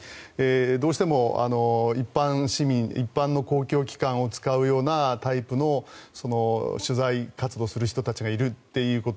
どうしても一般市民一般の公共機関を使うようなタイプの取材活動をする人たちがいるということ。